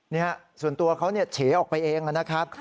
เนี่ยส่วนตัวเขาเฉออกไปเองนะครับ